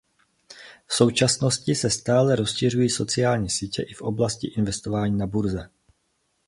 V současnosti se stále více rozšiřují sociální sítě i v oblasti investování na burze.